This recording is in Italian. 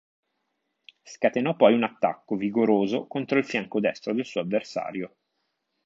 Scatenò poi un attacco vigoroso contro il fianco destro del suo avversario.